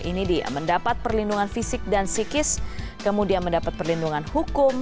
ini dia mendapat perlindungan fisik dan psikis kemudian mendapat perlindungan hukum